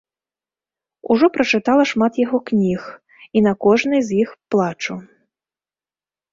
Ужо прачытала шмат яго кніг, і на кожнай з іх плачу.